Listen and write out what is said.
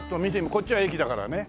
こっちは駅だからね。